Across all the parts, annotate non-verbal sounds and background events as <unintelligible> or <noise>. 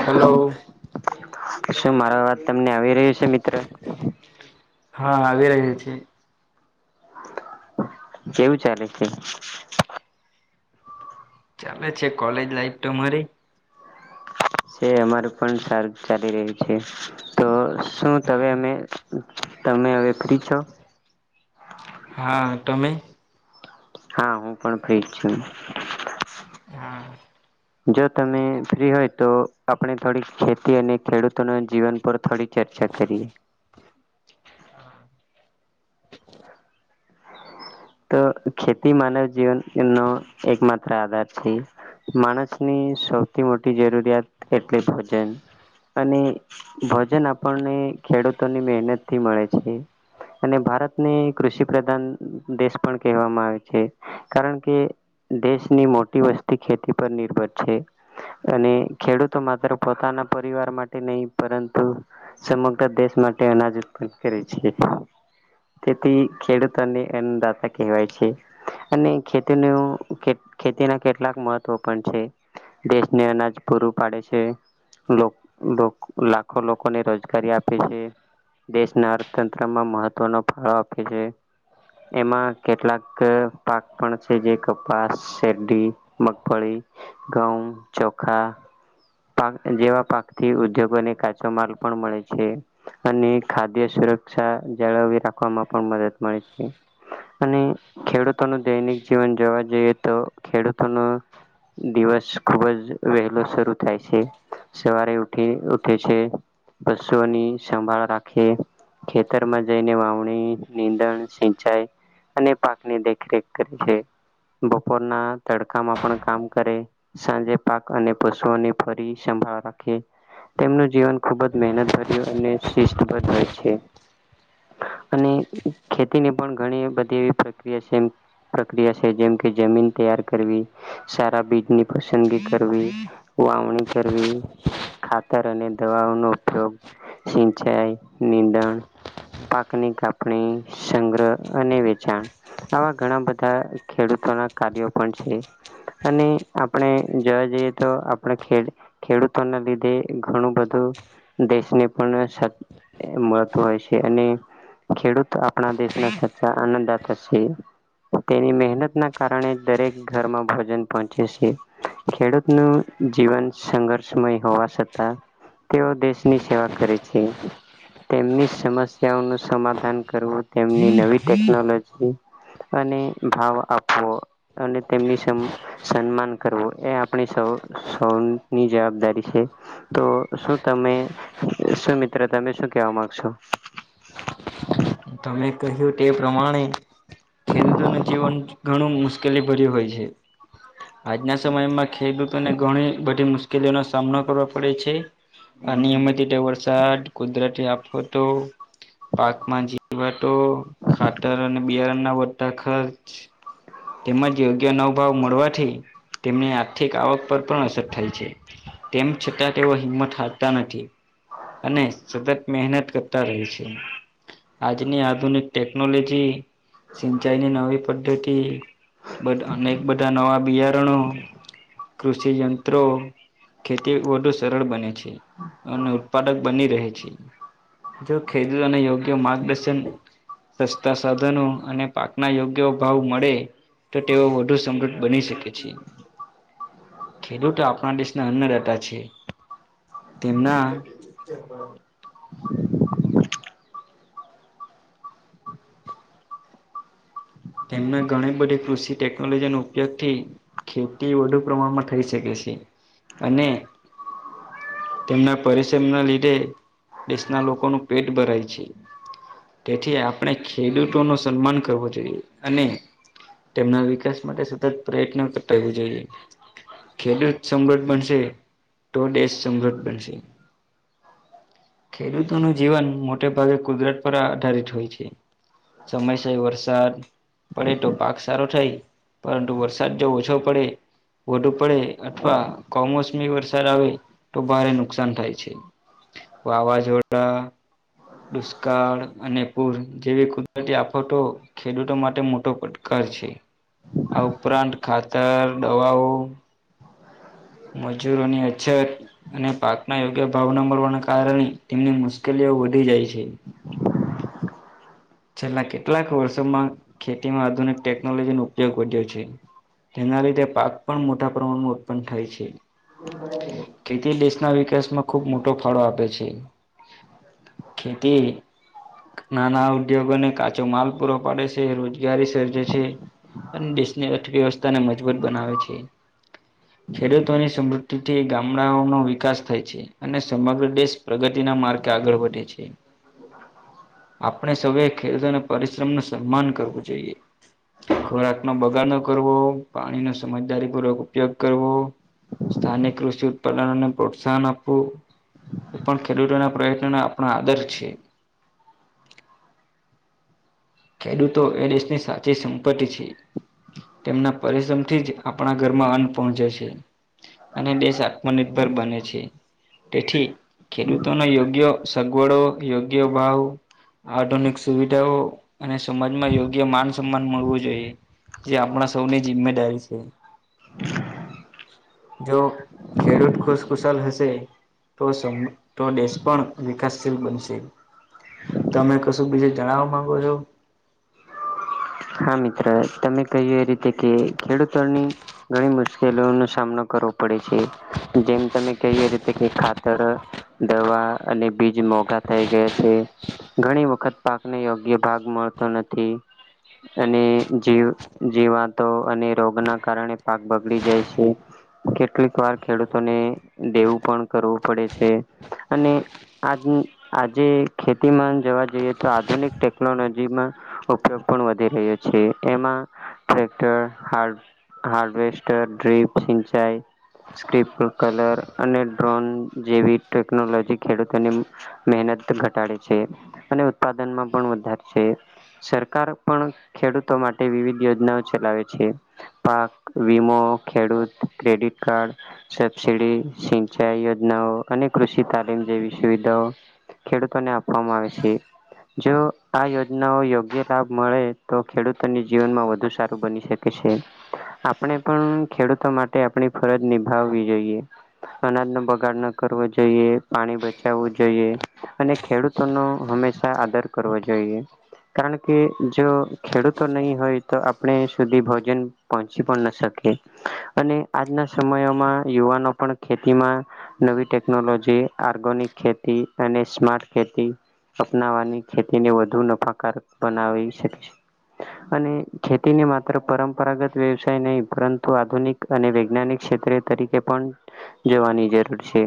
Hello શું મારા વાત તમને આવી રહી છે મિત્ર હા આવી રહ્યા છે કેવું ચાલે છે ચાલે છે કોલેજ લાઈફ તોરી અમાર પણ સાર ચાલી રહ્યું છે તો શું તમે અમે તમે હવે ફ્રી છો હા ટમે હા હું પણ ફ્રીજ છું હા જો તમે ફ્રી હોય તો આપણે થોડી ખેતી અને ખેડૂતોના જીવન પર થોડી ચર્ચા ચર્ચા કરીએ હા <inaudible> તો ખેતી માનવ જીવન નો એક માત્ર આધાર છે માણસની સૌથી મોટી જરૂરિયાત એટલે ભજન અને ભોજન આપણને ખેડૂતોની મહેનત થી મળે છે અને ભારત ની કૃષિ પ્રધાન દેશ પણ કહેવામાં આવે છે કારણ કે દેશની મોટી વસ્તી ખેતી પર નિર્ભર છે અને ખેડૂતો માત્ર પોતાના પરિવાર માટે નહી પરંતુ સમગ્ર દેશ માટે અનાજ ઉત્પન્ન કરે છે તેથી ખેડૂતોને એ દાતા કહેવાય છે અને ખેતીનું ખેતીના કેટલાક મહત્વ પણ છે દેશને અનાજ પૂરું પાડે છે લાખો લોકોને રોજગારી આપે છે દેશના અર્થતંત્રમાં મહત્વનો ફાળો આપે છે એમાં કેટલાક પાક પણ છે જે કપાસ શેરડી મગફળી ધઉ ચોખા પાક જેવા પાક થી ઉદ્યોગોને કાચો માલ પણ મળે છે અને ખાદ્ય સુરક્ષા જાળવી રાખવામાં પણ મદદ મળે છે અને ખેડૂતોનું દૈનિક જીવન જોવા જઈએ તો ખેડૂતોનું દિવસ ખુબ જ વહેલો શરૂ થાય છે સવારે ઉઠી ઉઠે છે પશુઓની સંભાળ રાખે ખેતરમાં જઈને વાવણી નીંદણ સિંચાઈ અને પાકની દેખરેખ કરે છે બપોરના તડકામાં પણ કામ કરે સાંજે પાક અને પશુઓની ફરી તેમનું જીવન ખુબ જ મહેનતભર્યું અને શિસ્તબદ્ધ હોય છે અને ખેતીની પણ ઘણી બધી એવી પ્રક્રિયા છે એમ પ્રક્રિયા છે જેમ કે જમીન તૈયાર કરવી સારા બીજની પસંદગી કરવી વાવણી કરવી ખાતર અને દવાઓ નો ઉપયોગ સિંચાઈ નિદણ પાકની કાપણી સંગ્રહ અને વેચાણ આવા ઘણા બધા ખેડૂતોના કાર્યો પણ છે અને આપણે જોવા જઈએ તો આપણે ખેડૂતોના લીધે ઘણું બધું દેશને પણ મળતુ હોય છે અને ખેડૂત આપણા દેશના સાચા આનંદ આપે છે તેની મહેનત ના કારણે દરેક ઘરમાં ભોજન પહોંચે છે ખેડૂતનું જીવન સંઘર્ષમય હોવા છતાં તેઓ દેશની સેવા કરે છે તેમની સમસ્યાઓ નું સમાધાન દાન કરવું તેમની નવી ટેકનોલોજી અને ભાવ આપવો અને તેમની સન્માન કરવો એ આપણે સૌ ની જવાબદારી છે તો શું તમે શું મિત્ર તમે શું કહેવા માંગશો તમે કહ્યું તે પ્રમાણે ખેડૂતોને જીવન ઘણું મુશ્કેલી ભર્યું હોય છે આજના સમયમાં ખેડૂતોને ઘણી બધી મુશ્કેલીઓનો સામનો કરવો પડે છે આ નિયમિત રીતે વરસાદ કુદરતી આફત તો પાકમાં જ વાતો ખાતર અને બિયારણના બધા ખર્ચ તેમજ યોગ્ય નવોભાવ મળવાથી તેમની આર્થિક આવક પર પણ અસર થાય છે તેમ છતાં તેઓ હિંમત હારતા નથી અને સતત મહેનત કરતા રહે છે આજની આધુનિક ટેકનોલોજી સિંચાઈની નવી પદ્ધતિ બધા ને અનેક બધા નવા બિયારણો કૃષિયંત્રો ખેતી વધુ સરળ બને છે અને ઉત્પાદક બની રહે છે જો ખેડૂતોને યોગ્ય માર્ગદર્શન સસ્તા સાધનો અને પાકના યોગ્ય ભાવ મળે તો તેઓ વધુ સમૃદ્ધ બની શકે છે ખેડૂતો આપણા દેશના અન્ના છે તેમના રાબર તેમના ઘણી બધી કૃષિ ટેકનોલોજીનો ઉપયોગ થી ખેતી વધુ પ્રમાણમાં થઈ શકે છે અને તેમના પરિશ્રમ ના લીધે દેશના લોકોનું પેટ ભરાય છે તેથી આપણે ખેડૂતો ન સન્માન કરવો જોઈએ અને તેમના વિકાસ માટે સતત પ્રયત્ન થવું જોઈએ ખેડૂત સમૃદ્ધ બનશે તો દેશ સમૃદ્ધ બનશે ખેડૂતોનું જીવન મોટે ભાગે કુદરત પર આધારિત હોય છે સમયસય વરસાદ પડે તો પાક સારો થાય પરંતુ વરસાદ જો ઓછો પડે વધુ પડે અથવા કમોસમી વરસાદ આવે તો ભારે નુકસાન થાય છે વાવાઝોડા દુષ્કાળ અને પૂર જેવી કુદરતી આફતો ખેડૂતો માટે મોટો પડકાર આ ઉપરાંત ખાતર દવાઓ મજૂરોની અછત અને પાકના યોગ્ય ભાવના મળવાના કારણે તેમની મુશ્કેલી વધી જાય છે છેલ્લા કેટલાક વર્ષોમાં ખેતીમાં આધુનિક ટેકનોલોજી નો ઉપયોગ વધ્યો છે તેના લીધે પાક પણ મોટા પ્રમાણમાં ઉત્પન્ન થાય છે ખેતી ના વિકાસમાં ખૂબ મોટો ફાળો આપે છે ખેતી નાના ઉદ્યોગોને કાચો માલ પૂરો પાડે છે રોજગારી સર્જે છે અને દેશની અર્થવ્યવસ્થાને મજબૂત બનાવે છે ખેડૂતોની સમૃદ્ધિ થી ગામડાઓનો વિકાસ થાય છે અને સમગ્ર દેશ પ્રગતિ ના માર્ગ આગળ વધે છે <inaudible> ખેડતો અને પરિશ્રમ નું સન્માન કરવું જોઈએ ખોરાક નો બગાડો કરવો પાણી ન સમજદારી પૂર્વક ઉપયોગ કરવો સ્થાનિક કૃષિ ઉત્પાદનને પ્રોત્સાહન આપવું એ પણ ખેડૂતોના પ્રયત્નોનો આપણો આદર છે ખેડૂતો એ દેશની સાચી સંપત્તિ છે તેમના પરિશ્રમથી જ આપણા ઘરમાં અન્ન પહોંચે છે અને દેશ આત્મનિર્ભર બને છે તેથી ખેડૂતોનો યોગ્ય સગવડો યોગ્ય ભાવ આધુનિક સુવિધાઓ અને સમાજમાં યોગ્ય માન સન્માન મળવું જોઈએ જે આપણા સૌની જિમ્મેદારી છે જો ખેડૂત ખુશખુશાલ હશે તો તો દેશ પણ વિકાસશીલ બનશે તમે કશું બીજે જણાવવા માંગો છો હા મિત્ર તમે કહ્યું એ રીતે કે ખેડૂતોની ઘણી મુશ્કેલીઓનોો સામનો કરવો પડે જેમ તમે ક એ રીતે કે ખાતર દવા અને બીજ મોઘા થઈ ગયા છે ઘણી વખત પાકને યોગ્ય ભાગ મળતો નથી અને જી જીવાતો અને રોગ ના કારણે પાક બગડી જાય છે કેટલીક વાર ખેડૂતોને દેવું પણ કરવું પડે છે અને આ આજે ખેતીમાં જોવા જઈએ તો આધુનિક ટેકનોલોજીમાં ઉપયોગ પણ વધી રહ્યો છે એમાં ટક્ટર હારડ હારવેસ્ટર ડ્ર્રીપ સિંચાઈ સ્ક્રિપ કલર અને ડ્રોન જેવી ટેકનોલોજી ખેડૂતોની મહેનત ઘટાડ છે અને ઉત્પાદનમાં પણ વધારે સરકાર પણ ખેડૂતો માટે વિવિધ યોજનાઓ ચલાવે છે પાક વિમો ખેડૂત ક્રેડિટ કાર્ડ સબસિડી સિંચાઈ યોજના અને કૃષિ તાલીમ જેવી સુવિધાઓ ખેડૂતોને આપવામાં આવે છે જો આ યોજનાઓ યોગ્ય લાભ મળે તો ખેડૂતોને જીવનમાં વધુ સારું બની શકે છે આપણે પણ ખેડૂતો માટે આપણી ફરજ નિભાવવી જોઈએ અનાજ નો બગાડ ન કરવો જોઈએ પાણી બચાવવું જોઈએ અને ખેડૂતો ન ા આદરો જોઈએ કાર કે જો ખેડૂતો નહી હોય તો આપણે સુધી ભોજન પહોંચી પણ ના શકીએ અને આજના સમયોમાં યુવાનો પણ ખેતીમાં નવી ટેકનોલોજી આગ ખેતી અને સ્માર્ટ ખેતી અપનાવાની ખેતીને વધુ નફાકાર બનાવી શકે છે. અને ખેતીને માત્ર પરંપરાગત વ્યવસાય નહી પરંતુ આધુનિક અને વૈજ્ઞાનિક ક્ષેત્રે તરીકે પણ જવાની જરૂર છે.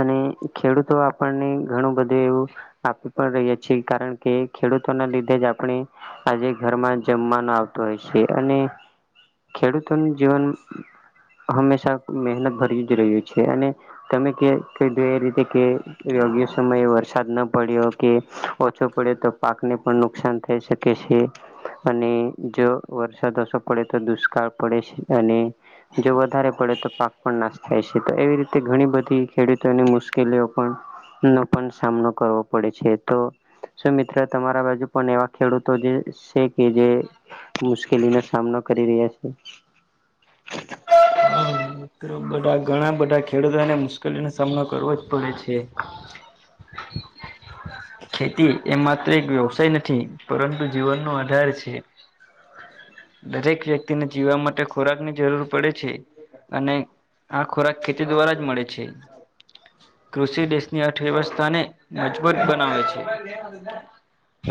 અને ખેડૂતો આપણને ઘણું બધું એવું આપી પણ રહ્યા છીએ કારણ કે ખેડૂતોના લીધે જ આપણે આજે ઘરમાં જમવાનો આવતો હોય છે, અને ખેડૂતોનું જીવન હંમેશા મહેનત ભરી જ રહ્યું છે, અને તમે એ રીતે યોગ્ય સમયે વરસાદ ન પડ્યો કે ઓછો પડ્યો તો પાક ને પણ નુકસાન થઈ શકે છે, અને જો વરસાદ ઓ પડે તો દુષ્કાળ પડે છે, અને જો વધારે પડે, પાક પણ ના થાય છે, એવી રીતે ઘણી બધી ખેડૂતોની મુશ્કેલીઓ પણ નો પણ સામનો કરવો પડે છે, તોમિત્ર અ તમારા બાજુ પણ એવા ખેડૂતો જે છે, કે જે મુશ્કેલીનો સામનો કરી રહ્યા છે. <unintelligible> <inaudible> મિત્ર બધા ઘણા બધા ખેડૂતોને મુશ્કેલીનો સામનો કરવો જ પડે છે. ખેતી એ માત્ર એક વ્યવસાય નથી પરંતુ જીવનનો આધાર છે. દરેક વ્યક્તિને જીવવા માટે ખોરાક ની જરૂર પડે છે, અને આ ખોરાક ખેતી દ્વારા જ મળે છે. હું. કૃષિ દેશની અર્થવ્યવસ્થાને મજબૂત બનાવે છે.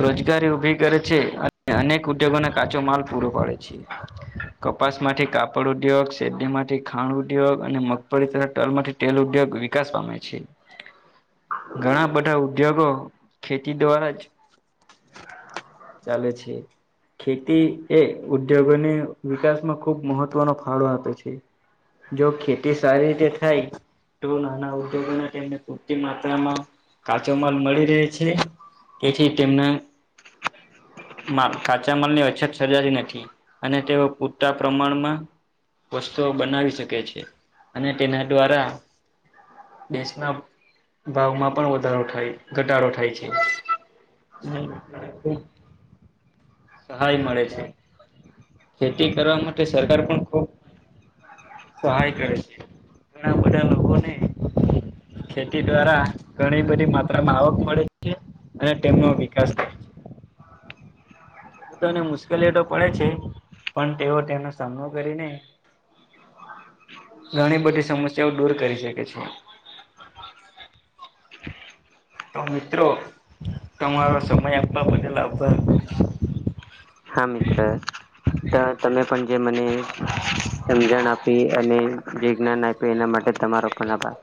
રોજગારી ઉભી કરે છે, અને અનેક ઉદ્યોગોને કાચો માલ પૂરો પાડે છે. કપાસ માંથી કાપડ ઉદ્યોગ શેરડીમાંથી, ખાણ ઉદ્યોગ અને મગફળી તથા તલમાંથી તેલ ઉદ્યોગ વિકાસ પામે છે. હ <inaudible> ઘણા બધા ઉદ્યોગો ખેતી દ્વારા જ ચાલે છે. ખેતી એ ઉદ્યોગોને વિકાસમાં ખૂબ મહત્વનો ફાળો આપે છે. જો ખેતી સારી રીતે થાય. તો નાના ઉદ્યોગો તેમને પૂરતી માત્રામાં કાચો માલ મળી. તે છે, તેથી તેમના હ <inaudible> માલ- કાચા માલની અછત સર્જાતી નથી, અને તેઓ પૂરતા પ્રમાણમાં વસ્તુઓ બનાવી શકે છે, અને તેના દ્વારા દેશના ભાવમાં પણ વધારો થાય. ઘટાડો થાય છે. સહાય મળે છે, ખેતી કરવા માટે સરકાર પણ ખુબ. સહાય કરે છે, ઘણા બધા લોકોને ખેતી દ્વારા ઘણી બધી માફક. આવક મળે છે, અને તેમનો વિકાસ થાય છે. ખેડૂતોને મુશ્કેલી તો પડે છે, પણ તેઓ તેનો સામનો કરીને. ઘણી બધી સમસ્યાઓ દૂર કરી શકે છે. <unintelligible> <inaudible> તો મિત્રો તમારો સમય આપવા બદલ આભાર. હા મિત્ર તમે પણ જે મને સમજણ આપી અને જે જ્ઞાન આપ્યું, એના માટે તમારો પણ આભાર.